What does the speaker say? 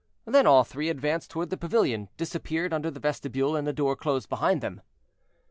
Then all three advanced toward the pavilion, disappeared under the vestibule, and the door closed behind them.